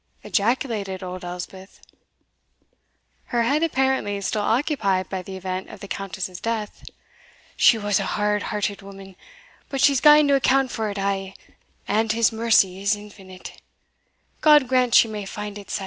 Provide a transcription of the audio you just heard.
ejaculated old Elspeth, her head apparently still occupied by the event of the Countess's death; "she was a hard hearted woman, but she's gaen to account for it a', and His mercy is infinite God grant she may find it sae!"